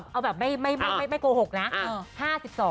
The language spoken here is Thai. เอาแบบไม่โกหกนะ